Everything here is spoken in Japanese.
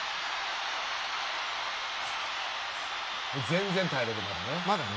全然耐えれるからね。